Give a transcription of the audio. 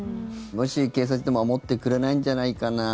もし、警察で守ってくれないんじゃないかな